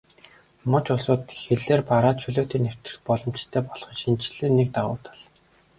Муж улсуудын хилээр бараа чөлөөтэй нэвтрэх боломжтой болох нь шинэчлэлийн нэг давуу тал.